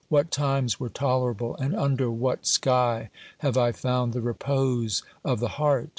What times were tolerable, and under what sky have I found the repose of the heart